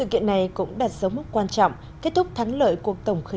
khép lại nên quân chủ kéo dài một mươi thế kỷ